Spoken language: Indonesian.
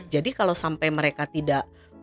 kalau sampai mereka tidak